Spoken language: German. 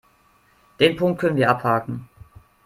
Den Punkt können wir abhaken.